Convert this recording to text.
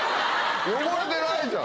汚れてないじゃん。